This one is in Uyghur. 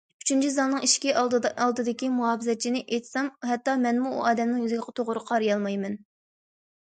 ئۈچىنچى زالنىڭ ئىشىكى ئالدىدىكى مۇھاپىزەتچىنى ئېيتسام، ھەتتا مەنمۇ ئۇ ئادەمنىڭ يۈزىگە توغرا قارىيالمايمەن.